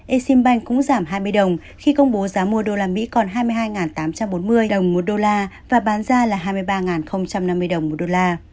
exim bank cũng giảm hai mươi đồng khi công bố giá mua đô la mỹ còn hai mươi hai tám trăm bốn mươi đồng một đô la và bán ra là hai mươi ba năm mươi đồng một đô la